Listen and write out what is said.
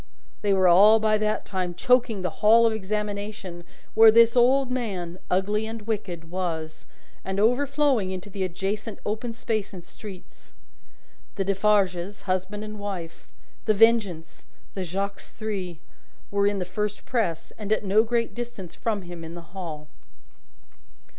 They were all by that time choking the Hall of Examination where this old man, ugly and wicked, was, and overflowing into the adjacent open space and streets. The Defarges, husband and wife, The Vengeance, and Jacques Three, were in the first press, and at no great distance from him in the Hall.